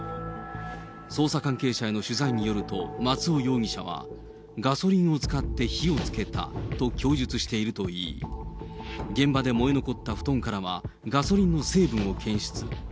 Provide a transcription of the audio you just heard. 捜査関係者への取材によると、松尾容疑者はガソリンを使って火をつけたと供述していると言い、現場で燃え残った布団からはガソリンの成分を検出。